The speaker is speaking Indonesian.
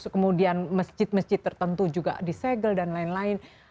kemudian mesjid mesjid tertentu juga disegel dan lain lain